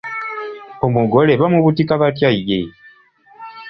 Omugole bamubutika batya ye?